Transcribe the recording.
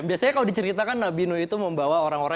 biasanya kalau diceritakan nabinu itu membawa orang orang